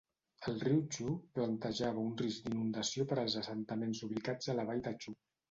El riu Txu plantejava un risc d'inundació per als assentaments ubicats a la vall de Txu.